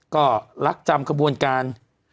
ก็ลักษณ์กับกระบวนการ